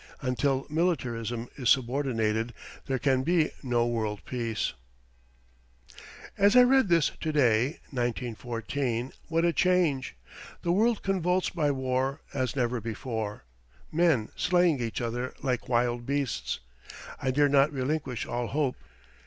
Until militarism is subordinated, there can be no World Peace. As I read this to day , what a change! The world convulsed by war as never before! Men slaying each other like wild beasts! I dare not relinquish all hope.